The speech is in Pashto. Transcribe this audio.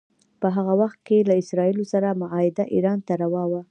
په هغه وخت کې له اسراییلو سره معاهده ایران ته روا وه.